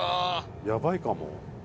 やばいかも。